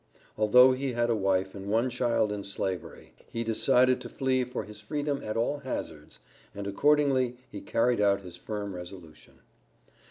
Although he had a wife and one child in Slavery, he decided to flee for his freedom at all hazards, and accordingly he carried out his firm resolution.